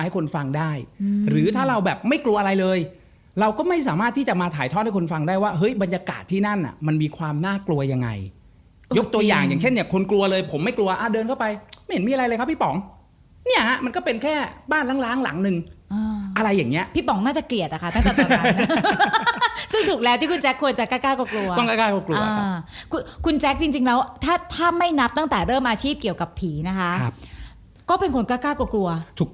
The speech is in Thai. คือไม่ได้มีความขัดแยกอะไรกันส่วนตัว